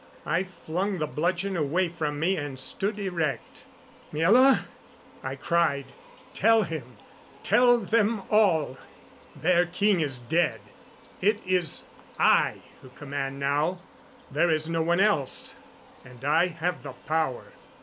I flung the bludgeon away from me, and stood erect. "Miela," I cried, "tell him tell them all their king is dead. It is I who command now. There is no one else and I have the power.